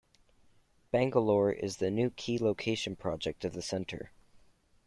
Bangalore is the new Key Location Project of the Centre.